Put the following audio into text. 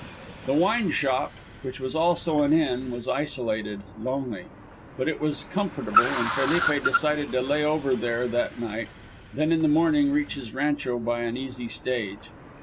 The wine shop, which was also an inn, was isolated, lonely, but it was comfortable, and Felipe decided to lay over there that night, then in the morning reach his rancho by an easy stage.